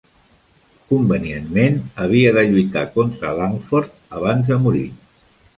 Convenientment, havia de lluitar contra Langford abans de morir.